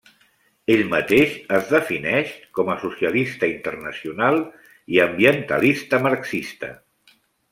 Ell mateix es defineix com a socialista internacional i ambientalista marxista.